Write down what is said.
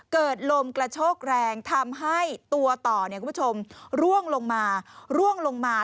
เกิดลมกระโชกแรงทำให้ตัวต่อล่วงลงมา